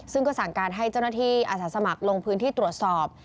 ซึ่งก็สั่งการให้เจ้าหน้าที่อาสาสมัครลงพื้นที่ตรวจสอบ